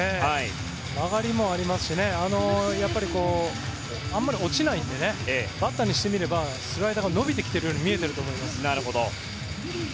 曲がりもありますしあまり落ちないのでバッターにしてみればスライダーが伸びているように見えていると思います。